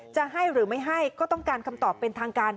จะให้หรือไม่ให้ก็ต้องการคำตอบเป็นทางการ